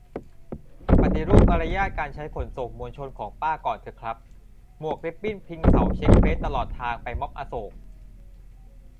ปฏิรูปมารยาทการใช้ขนส่งมวลชนของป้าก่อนเถอะครับ หมวกริบบิ้นพิงเสาเช็คเฟซตลอดทางไปม็อบอโศก